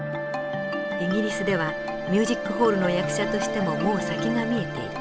「イギリスではミュージックホールの役者としてももう先が見えている。